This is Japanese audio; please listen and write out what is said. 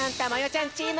ちゃんチーム！